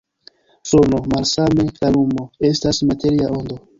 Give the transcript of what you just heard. Sono, malsame la lumo, estas materia ondo.